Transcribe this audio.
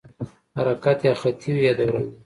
حرکت یا خطي وي یا دوراني.